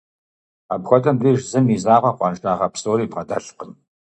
Апхуэдэм деж зым и закъуэ къуаншагъэ псори бгъэдэлъкъым.